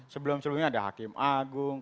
sebelum sebelumnya ada hakim agung